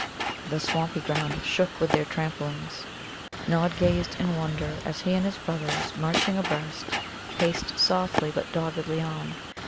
The swampy ground shook with their tramplings. Nod gazed in wonder as he and his brothers, marching abreast, paced softly but doggedly on.